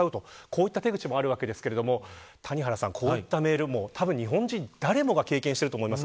こういった手口もありますが谷原さん、こういったメール日本人、誰もが経験していると思います。